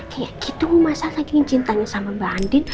kayak gitu mas al lagi yang cintanya sama mbak andin